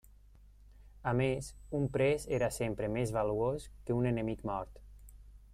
A més, un pres era sempre més valuós que un enemic mort.